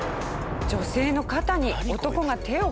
女性の肩に男が手をかけました。